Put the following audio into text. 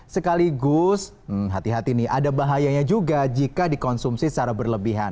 sekaligus hati hati nih ada bahayanya juga jika dikonsumsi secara berlebihan